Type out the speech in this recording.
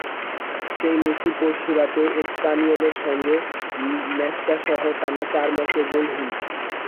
সেই মেসি পরশু রাতে এসপানিওলের সঙ্গে ম্যাচটাসহ টানা চার ম্যাচ গোলহীন।